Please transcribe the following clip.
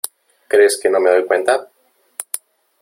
¿ crees que no me doy cuenta ?